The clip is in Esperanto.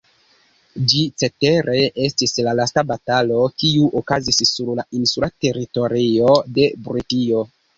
Ĝi cetere estis la lasta batalo, kiu okazis sur la insula teritorio de Britio.